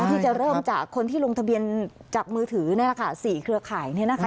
ที่จะเริ่มจากคนที่ลงทะเบียนจากมือถือสี่เครือข่ายนี้นะคะ